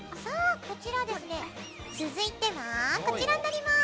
続いては、こちらになります。